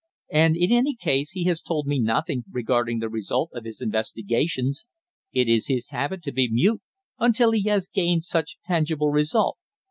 And in any case he has told me nothing regarding the result of his investigations. It is his habit to be mute until he has gained some tangible result."